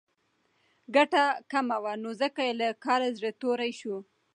ګټه کمه وه نو ځکه یې له کاره زړه توری شو.